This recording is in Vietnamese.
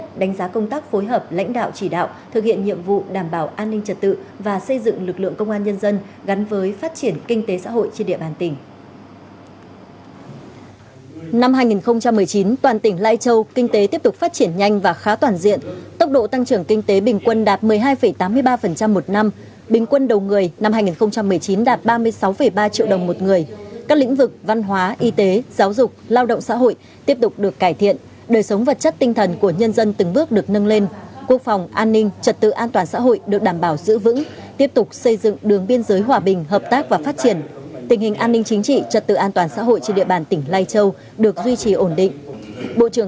tại lai châu kinh tế tiếp tục phát triển nhanh và khá toàn diện tốc độ tăng trưởng kinh tế bình quân đạt một mươi hai tám mươi ba một năm bình quân đầu người năm hai nghìn một mươi chín đạt ba mươi sáu ba triệu đồng một người các lĩnh vực văn hóa y tế giáo dục lao động xã hội tiếp tục được cải thiện đời sống vật chất tinh thần của nhân dân từng bước được nâng lên quốc phòng an ninh trật tự an toàn xã hội được đảm bảo giữ vững tiếp tục xây dựng đường biên giới hòa bình hợp tác và phát triển tình hình an ninh chính trị trật tự an toàn xã hội trên địa